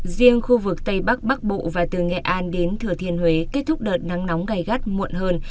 riêng khu vực tây bắc bắc bộ và từ nghệ an đến thừa thiên huế kết thúc đợt nắng nóng gai gắt muộn hơn